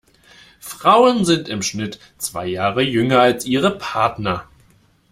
Frauen sind im Schnitt zwei Jahre jünger als ihre Partner.